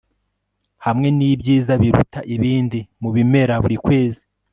hamwe n'ibyiza biruta ibindi mu bimera buri kwezi